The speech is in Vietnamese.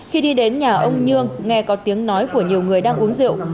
khi đi đến nhà ông nhương nghe có tiếng nói của nhiều người đang uống rượu